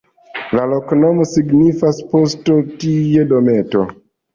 La loknomo signifas: pusto-tie-dometo.